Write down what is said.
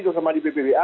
terutama di ppba